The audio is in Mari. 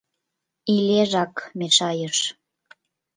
Илежак мешайыш.